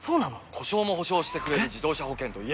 故障も補償してくれる自動車保険といえば？